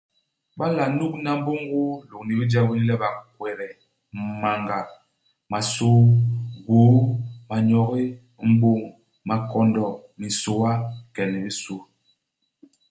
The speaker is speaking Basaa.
Ba nla nugna mbôngôô lôñni ibijek bini le bakwede, manga, masôô, gwôô, manyogi, m'bôñ, makondo, minsôa ike ni i bisu.